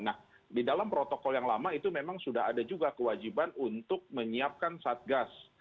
nah di dalam protokol yang lama itu memang sudah ada juga kewajiban untuk menyiapkan satgas